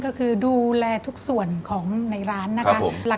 ก็คือดูแลทุกส่วนของในร้านนะคะ